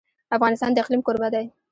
افغانستان د اقلیم کوربه دی.